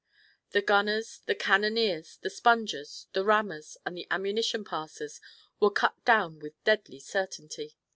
The gunners, the cannoneers, the spongers, the rammers and the ammunition passers were cut down with deadly certainty.